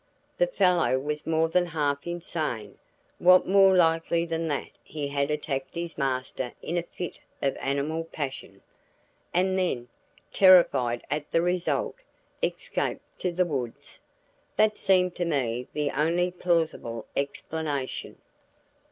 The fellow was more than half insane. What more likely than that he had attacked his master in a fit of animal passion; and then, terrified at the result, escaped to the woods? That seemed to me the only plausible explanation.